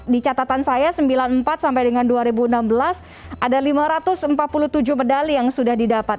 di catatan saya sembilan puluh empat sampai dengan dua ribu enam belas ada lima ratus empat puluh tujuh medali yang sudah didapat